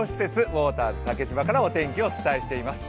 ウォーターズ竹芝からお伝えしています。